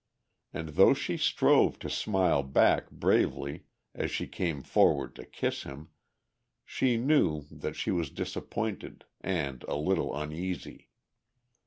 And though she strove to smile back bravely as she came forward to kiss him, she knew that she was disappointed, and a little uneasy.